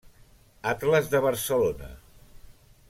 Atles de Barcelona.